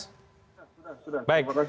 sudah sudah terima kasih